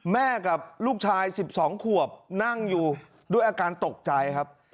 แม่กับลูกชาย๑๒ขวบนั่งอยู่ด้วยอาการตกใจครับ